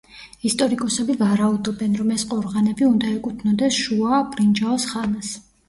ისტორიკოსები ვარაუდობენ, რომ ეს ყორღანები უნდა ეკუთვნოდეს შუა ბრინჯაოს ხანას.